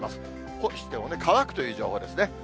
干しても乾くという情報ですね。